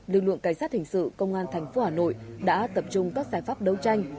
lực lượng cảnh sát hình sự công an tp hà nội đã tập trung các giải pháp đấu tranh